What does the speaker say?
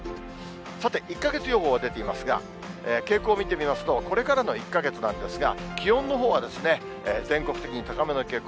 さて１か月予報が出ていますが、傾向見てみますと、これからの１か月なんですが、気温のほうは全国的に高めの傾向。